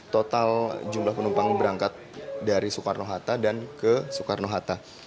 total jumlah penumpang berangkat dari soekarno hatta dan ke soekarno hatta